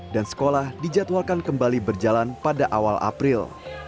dan sekolah dijadwalkan kembali berjalan pada awal april